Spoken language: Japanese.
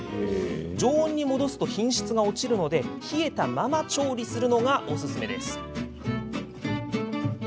常温に戻すと品質が落ちるので冷えたまま調理するのがおすすめです。